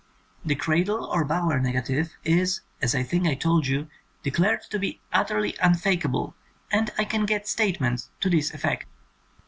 The Cradle or Bower negative is, as I think I told you, declared to be utterly unfakeable, and I can get statements to this effect.